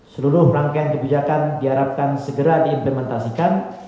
seluruh rangkaian kebijakan diharapkan segera diimplementasikan